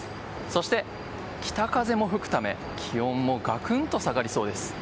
そして、北風も吹くため気温もがくんと下がりそうです。